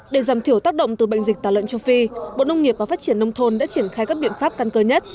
để giảm thiểu tác động từ bệnh dịch tả lợn châu phi bộ nông nghiệp và phát triển nông thôn đã triển khai các biện pháp căn cơ nhất